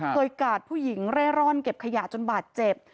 กาดผู้หญิงเร่ร่อนเก็บขยะจนบาดเจ็บ